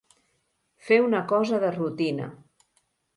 Fer una cosa de rutina.